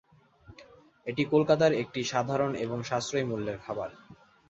এটি কলকাতার একটি সাধারণ এবং সাশ্রয়ী মূল্যের খাবার।